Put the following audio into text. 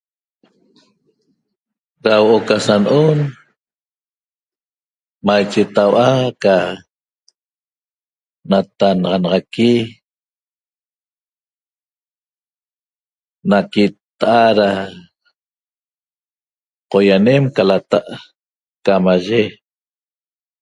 Da huo'o ca san'on maiche tau'a ca natannaxanaxaqui naquitta'a da qoianem ca lata' camaye